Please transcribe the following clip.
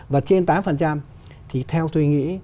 và trên tám thì theo tôi nghĩ